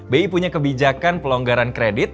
bi punya kebijakan pelonggaran kredit